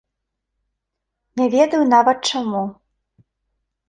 Не ведаю нават чаму.